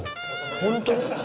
本当に？